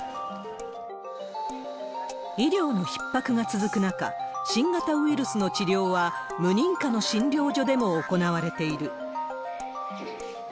医療のひっ迫が続く中、新型ウイルスの治療は、無認可の診療所でも行われている。